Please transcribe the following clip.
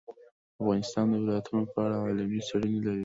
افغانستان د ولایتونو په اړه علمي څېړنې لري.